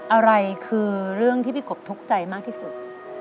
อะไรคือเรื่องที่พี่กบทุกข์ใจมากที่สุด